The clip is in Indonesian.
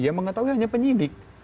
yang mengetahui hanya penyidik